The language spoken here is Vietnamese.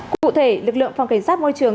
cụ thể lực lượng phòng cảnh sát môi trường